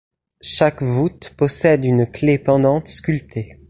Chaque voûte possède une clef pendante sculptée.